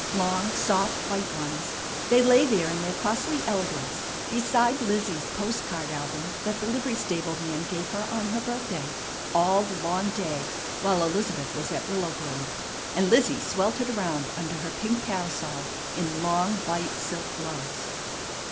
Long, soft white ones, they lay there in their costly elegance beside Lizzie's post card album that the livery stable man gave her on her birthday, all the long day while Elizabeth was at Willow Grove, and Lizzie sweltered around under her pink parasol in long white silk gloves.